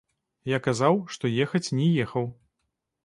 Я казаў, што ехаць не ехаў.